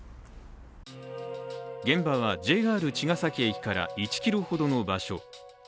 現場はＪＲ茅ヶ崎駅から１ｋｍほどの場所。